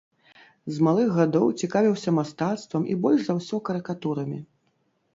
З малых гадоў цікавіўся мастацтвам і больш за ўсё карыкатурамі.